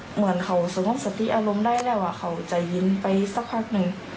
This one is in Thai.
เหมือนเขาสงบสติอารมณ์ได้แล้วเขาใจเย็นไปสักพักหนึ่ง